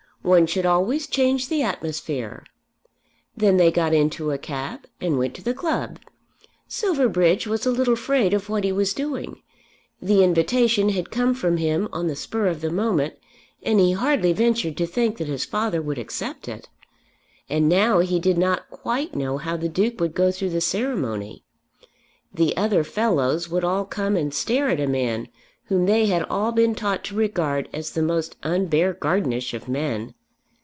One should always change the atmosphere." Then they got into a cab and went to the club. Silverbridge was a little afraid of what he was doing. The invitation had come from him on the spur of the moment, and he hardly ventured to think that his father would accept it. And now he did not quite know how the Duke would go through the ceremony. "The other fellows" would all come and stare at a man whom they had all been taught to regard as the most un Beargardenish of men.